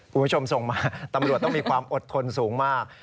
คุณผู้ชมส่งมาตำรวจต้องมีความอดทนสูงมาก